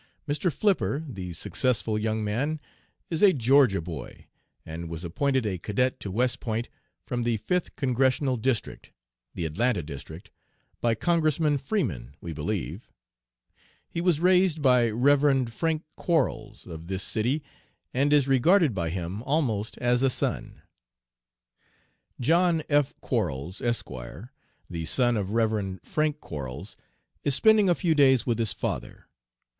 Mr. Flipper, the successful young man is a Georgia boy, and was appointed a cadet to West Point from the Fifth Congressional District the Atlanta District by Congressman Freeman, we believe. He was raised by Rev. Frank Quarles, of this city, and is regarded by him almost as a son. "John F. Quarles, Esq., the son of Rev. Frank Quarles, is spending a few days with his father.